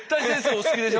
お好きでしょ